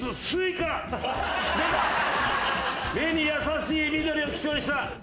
目に優しい緑を基調にした。